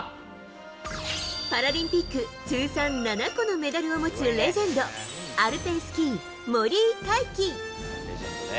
パラリンピック通算７個のメダルを持つレジェンド、アルペンスキー、森井大輝。